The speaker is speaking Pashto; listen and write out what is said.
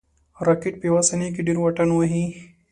راکټ په یو ثانیه کې ډېر واټن وهي